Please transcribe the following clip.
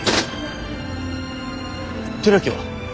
寺木は？